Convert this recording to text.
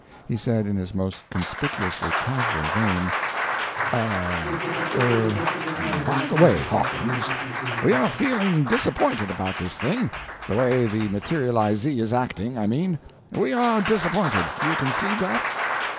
He said in his most conspicuously casual vein: "Er—uh—by the way, Hawkins, we are feeling disappointed about this thing—the way the materializee is acting, I mean—we are disappointed; you concede that?"